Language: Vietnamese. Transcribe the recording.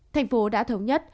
thành phố đã thống nhất